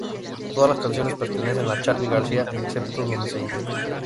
Todas las canciones pertenecen a Charly García, excepto donde se indica.